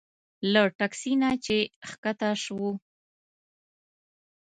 له تکسي نه چې ښکته شوو.